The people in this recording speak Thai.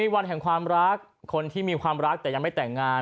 วันแห่งความรักคนที่มีความรักแต่ยังไม่แต่งงาน